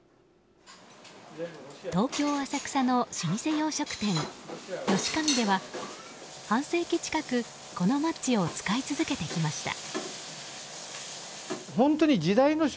東京・浅草の老舗洋食店ヨシカミでは半世紀近く、このマッチを使い続けてきました。